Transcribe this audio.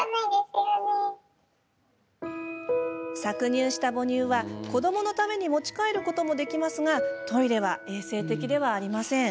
搾乳した母乳は子どものために持ち帰ることもできますがトイレは衛生的ではありません。